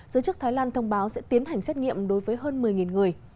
giới chức thái lan thông báo sẽ tiến hành xét nghiệm đối với hơn một mươi người